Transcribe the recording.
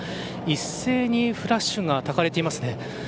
一斉にフラッシュがたかれています。